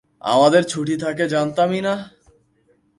আমাদের ছুটি থাকে জানতামই না।